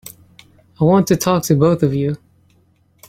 I want to talk to both of you.